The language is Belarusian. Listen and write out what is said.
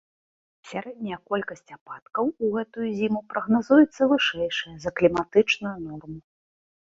Сярэдняя колькасць ападкаў у гэтую зіму прагназуецца вышэйшая за кліматычную норму.